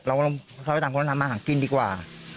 เราไปต่างคนทำมาหากินดีกว่า